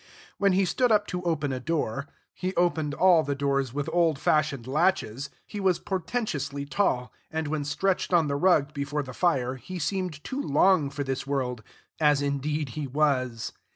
When he stood up to open a door he opened all the doors with old fashioned latches he was portentously tall, and when stretched on the rug before the fire he seemed too long for this world as indeed he was.